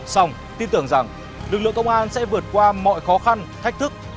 xong tin tưởng rằng lực lượng công an sẽ vượt qua mọi khó khăn thách thức